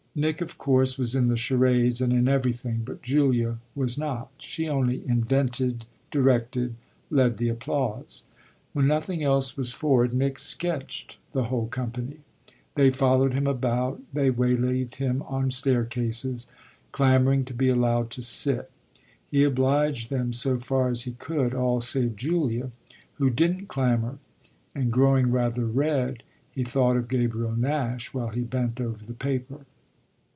Nick of course was in the charades and in everything, but Julia was not; she only invented, directed, led the applause. When nothing else was forward Nick "sketched" the whole company: they followed him about, they waylaid him on staircases, clamouring to be allowed to sit. He obliged them so far as he could, all save Julia, who didn't clamour; and, growing rather red, he thought of Gabriel Nash while he bent over the paper.